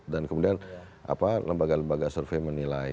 dan kemudian lembaga lembaga survei menilai